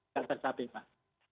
dan tercapai mbak